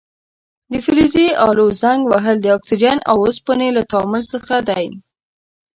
د فلزي الو زنګ وهل د اکسیجن او اوسپنې له تعامل څخه دی.